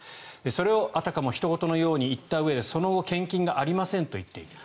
それをあたかもひと事のように言ったうえでその後、献金がありませんと言っている。